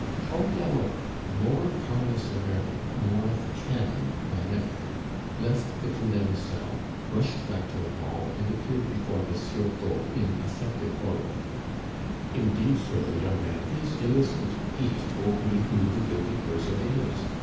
Trompe la Mort, more Carlos Herrera, more the canon than ever, left the condemned cell, rushed back to the hall, and appeared before Monsieur Gault in affected horror. "Indeed, sir, the young man is innocent; he has told me who the guilty person is!